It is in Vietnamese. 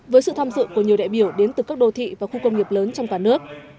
với sự tham dự của nhiều đại biểu đến từ các đô thị và khu công nghiệp lớn trong cả nước